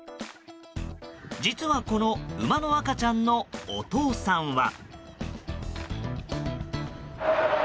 実は、この馬の赤ちゃんのお父さんは。